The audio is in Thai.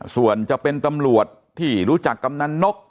ส่วนจะเป็นตำรวจที่รู้จักกำนันนก